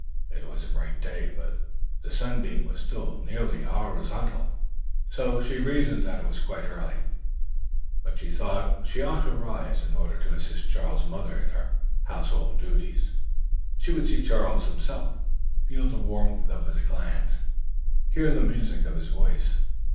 It was a bright day; but the sunbeam was still nearly horizontal, so she reasoned that it was quite early; but she thought she ought to rise in order to assist Charles' mother in her household duties. She would see Charles himself, feel the warmth of his glance and hear the music of his voice.